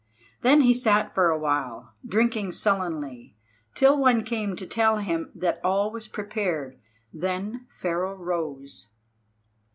Then he sat for awhile, drinking sullenly, till one came to tell him that all was prepared. Then Pharaoh rose.